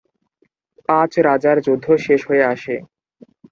পাঁচ রাজার যুদ্ধ শেষ হয়ে আসে।